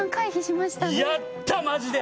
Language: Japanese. やったマジで。